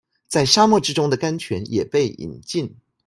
在沙漠之中的甘泉也被飲盡